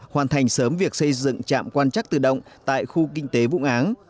hoàn thành sớm việc xây dựng trạm quan chắc tự động tại khu kinh tế vũng áng